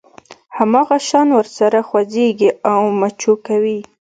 هماغه شان ورسره خوځېږي او مچو کوي.